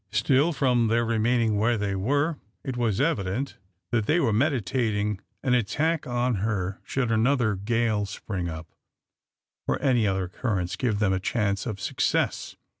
Still, from their remaining where they were, it was evident that they were meditating an attack on her should another gale spring up, or any other occurrence give them a chance of success.